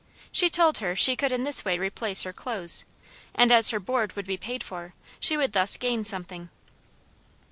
She told her she could in this way replace her clothes, and as her board would be paid for, she would thus gain something.